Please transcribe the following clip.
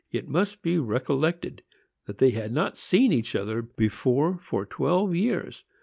It must be recollected that they had not seen each other before for four years.